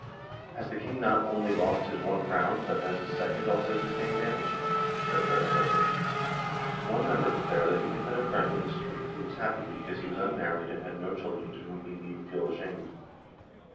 Has the King not only lost his one crown, but has his second also sustained damage? &c., &c." One member de clared that he had met a friend in the street who was happy because he was unmarried and had no children to whom he need feel ashamed.